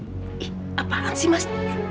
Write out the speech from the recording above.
eh apaan sih mas